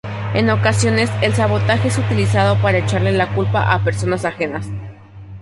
En ocasiones, el sabotaje es utilizado para echarle la culpa a personas ajenas.